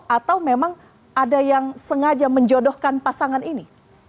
atau memang ada yang sengaja menjodohkan pasangan ini